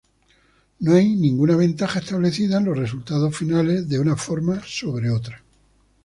No hay ninguna ventaja establecida en los resultados finales de una forma sobre otra.